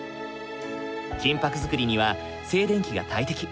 金ぱく作りには静電気が大敵。